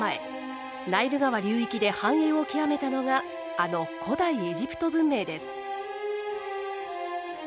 ナイル川流域で繁栄を極めたのがあの古代エジプト文明です。